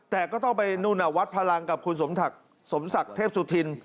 แต่ก็ต้องไปนู่นวัดพลังกับคุณสมศักดิ์เทพสุธิน